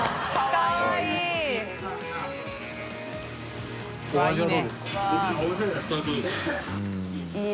かわいい。